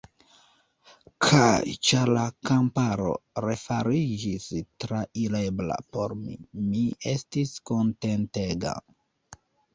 Kaj, ĉar la kamparo refariĝis trairebla por mi, mi estis kontentega.